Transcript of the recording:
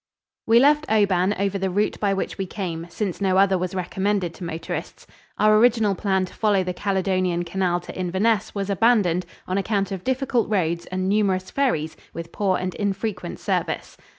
We left Oban over the route by which we came, since no other was recommended to motorists. Our original plan to follow the Caledonian Canal to Inverness was abandoned on account of difficult roads and numerous ferries with poor and infrequent service.